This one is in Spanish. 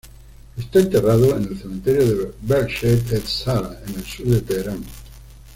Está enterrado en el cementerio de Behesht-e Zahra, en el sur de Teherán.